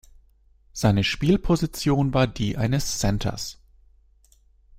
Seine Spielposition war die eines Centers.